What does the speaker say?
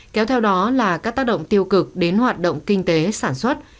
kéo theo đó là các tác động tiêu cực đến hoạt động kinh tế sản xuất